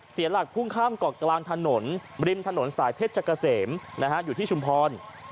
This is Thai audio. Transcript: เสียหลักพุ่งข้ามเกาะกลางถนนริมถนนสายเพชรเกษมอยู่ที่ชุมพร